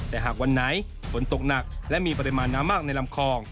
แต่หากวันไหนฝนตกหนักและมีปริมาณน้ำมากในลำคลอง